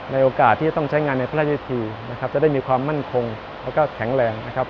โอกาสที่จะต้องใช้งานในพระราชพิธีนะครับจะได้มีความมั่นคงแล้วก็แข็งแรงนะครับ